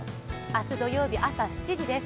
明日土曜日、朝７時です。